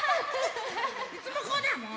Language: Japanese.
いつもこうだよもう！